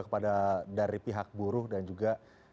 kepada dari pihak buruh dan juga